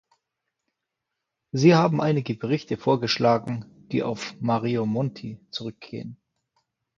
Sie haben einige Berichte vorgeschlagen, die auf Mario Monti zurückgehen.